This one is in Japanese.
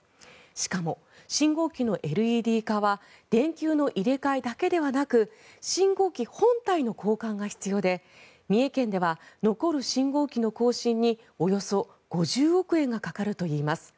しかも信号機のＬＥＤ化は電球の入れ替えだけではなく信号機本体の交換が必要で三重県では残る信号機の更新におよそ５０億円がかかるといいます。